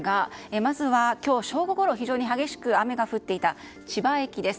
まずは正午ごろ非常に雨が降っていた千葉駅です。